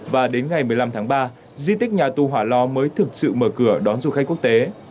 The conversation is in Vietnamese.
và đến ngày một mươi năm tháng ba di tích nhà tù hỏa lò mới thực sự mở cửa đón du khách quốc tế